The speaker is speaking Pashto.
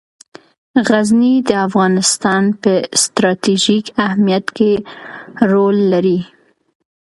غزني د افغانستان په ستراتیژیک اهمیت کې رول لري.